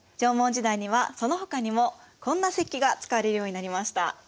縄文時代にはそのほかにもこんな石器が使われるようになりました。